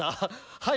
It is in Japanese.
はい。